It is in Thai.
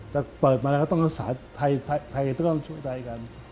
แต่เปิดมาแล้วต้องช่วยไทยกัน